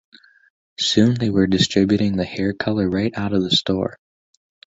Soon they were distributing the hair color right out of the store.